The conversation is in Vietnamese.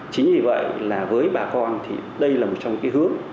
chính vì vậy là với bà con thì đây là một trong cái hướng